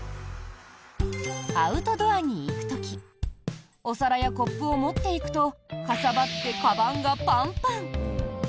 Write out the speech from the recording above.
アウトドアに行く時お皿やコップを持っていくとかさばって、かばんがパンパン。